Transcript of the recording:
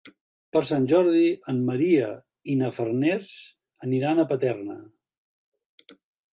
Per Sant Jordi en Maria i na Farners aniran a Paterna.